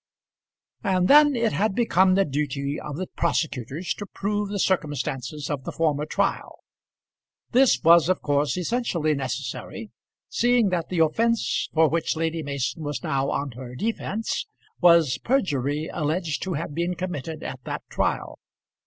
And then it had become the duty of the prosecutors to prove the circumstances of the former trial. This was of course essentially necessary, seeing that the offence for which Lady Mason was now on her defence was perjury alleged to have been committed at that trial.